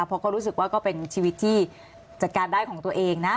เพราะก็รู้สึกว่าก็เป็นชีวิตที่จัดการได้ของตัวเองนะ